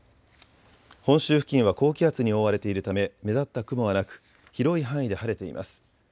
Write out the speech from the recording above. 本州付近は高気圧に覆われているため目立った雲はなく広い範囲で晴れています。